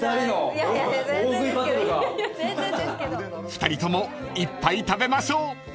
［２人ともいっぱい食べましょう］